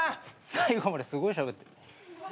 最後まですごいしゃべってる。